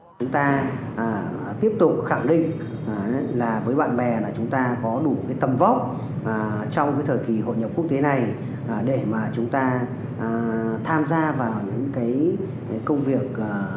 chúng ta tiếp tục khẳng định là với bạn bè là chúng ta có đủ tầm vóc trong cái thời kỳ hội nhập quốc tế này để mà chúng ta tham gia vào những công việc